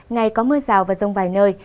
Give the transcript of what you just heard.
ngày có mưa rào và rông vài nơi